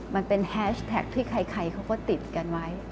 มันเป็นแฮชแท็กที่ใครเขาก็ติดกันไว้